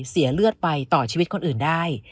เสียเลือดไปต่อชีวิตคนอื่นได้